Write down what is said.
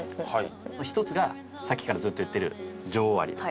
１つがさっきからずっと言ってる女王アリですね。